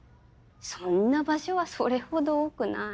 そんな場所はそれほど多くない。